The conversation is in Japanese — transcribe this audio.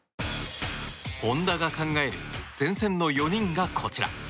本田が考える前線の４人がこちら。